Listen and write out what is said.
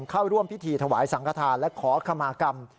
เข้าร่วมพิธีถวายสังขทานและขอขมากรรม